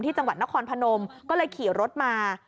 จังหวัดนครพนมก็เลยขี่รถมา